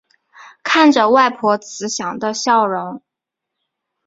看着外婆慈祥的笑容